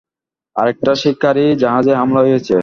আরেকটা শিকারী জাহাজে হামলা হয়েছে!